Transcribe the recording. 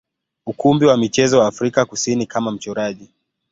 ukumbi wa michezo wa Afrika Kusini kama mchoraji.